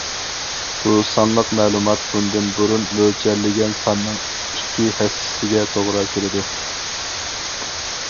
بۇ سانلىق مەلۇمات بۇندىن بۇرۇن مۆلچەرلىگەن ساننىڭ ئىككى ھەسسىسىگە توغرا كېلىدۇ.